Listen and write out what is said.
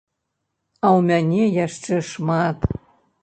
А ў мяне яшчэ шмат.